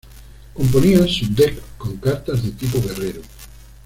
Componía su Deck con cartas de Tipo Guerrero.